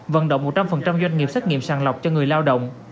vận động một trăm linh doanh nghiệp xét nghiệm sàng lọc cho người lao động